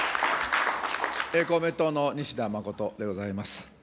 公明党の西田実仁でございます。